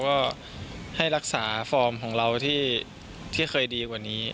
ก็ให้รักษาฟอร์มของเราที่เคยดีกว่านี้